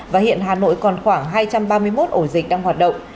và hiện hà nội còn khoảng hai trăm ba mươi một ổ dịch đang hoạt động